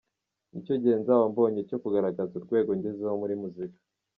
Nicyo gihe nzaba mbonye cyo kugaragaza urwego ngezeho muri muzika.